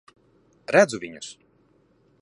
Redzu viņus.